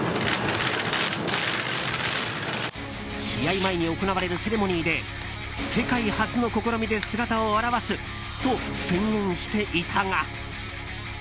試合前に行われるセレモニーで世界初の試みで姿を現すと宣言していたが。